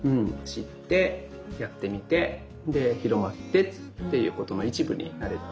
知ってやってみて広まってっていうことの一部になれたら。